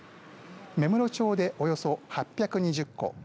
芽室町でおよそ８２０戸